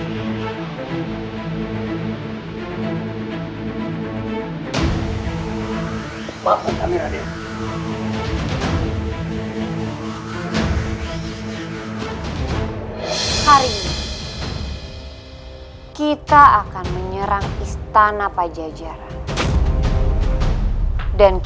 baiklah kau begitu raden